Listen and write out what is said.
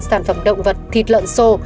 sản phẩm động vật thịt lợn xô